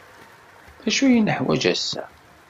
D acu ay neḥwaj ass-a?